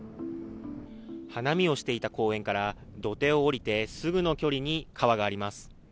花見をしていた公園から土手をおりてすぐの距離に川があります。